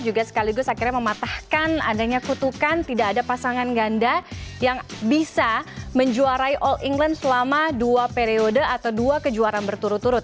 juga sekaligus akhirnya mematahkan adanya kutukan tidak ada pasangan ganda yang bisa menjuarai all england selama dua periode atau dua kejuaraan berturut turut